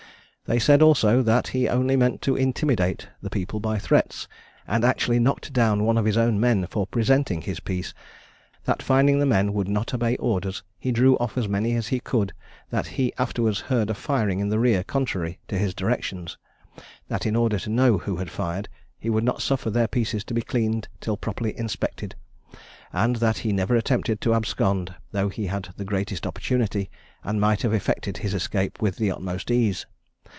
They said, also, that he only meant to intimidate the people by threats, and actually knocked down one of his own men for presenting his piece; that finding the men would not obey orders, he drew off as many as he could; that he afterwards heard a firing in the rear contrary to his directions; that in order to know who had fired, he would not suffer their pieces to be cleaned till properly inspected; and that he never attempted to abscond, though he had the greatest opportunity, and might have effected his escape with the utmost ease.